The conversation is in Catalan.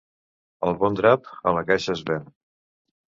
El bon drap a la caixa es ven.